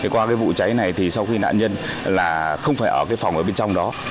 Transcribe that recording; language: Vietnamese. qua vụ cháy này sau khi nạn nhân không phải ở phòng bên trong đó